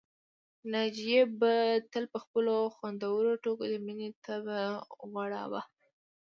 ناجيې به تل په خپلو خوندورو ټوکو د مينې طبع وغوړاوه